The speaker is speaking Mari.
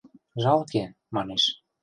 «Жалке, — манеш.